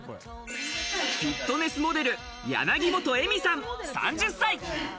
フィットネスモデル、柳本絵美さん３０歳。